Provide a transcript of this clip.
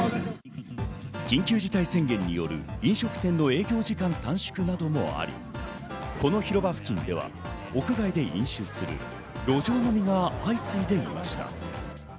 緊急事態宣言による飲食店の営業時間短縮などもあり、この広場付近では屋外で飲酒する路上飲みが相次いでいました。